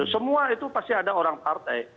semua itu pasti ada orang partai